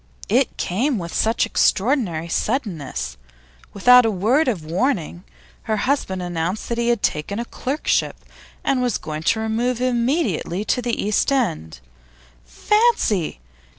It came with such extraordinary suddenness. Without a word of warning, her husband announced that he had taken a clerkship and was going to remove immediately to the East end. Fancy!